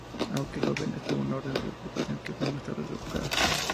Aunque el gobierno obtuvo una orden de deportación, que fue más tarde revocada.